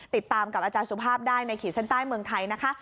ติดตามกับอาจารย์สุภาพได้ในขีดเส้นใต้เมืองไทยนะคะ